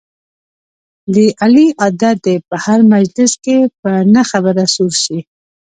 د علي عادت دی په هر مجلس کې په نه خبره سور شي.